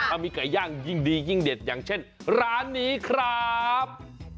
ถ้ามีไก่ย่างยิ่งดียิ่งเด็ดอย่างเช่นร้านนี้ครับ